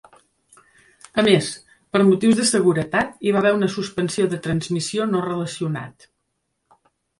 A més, per motius de seguretat hi va haver una suspensió de transmissió no relacionat.